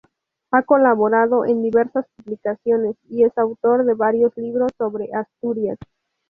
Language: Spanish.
Ha colaborado en diversas publicaciones y es autor de varios libros sobre Asturias.